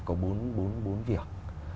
có bốn việc